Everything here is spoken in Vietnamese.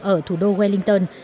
ở thủ đô wellington